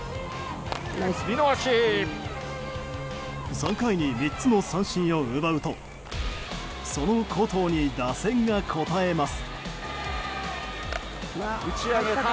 ３回に３つの三振を奪うとその好投に打線が応えます。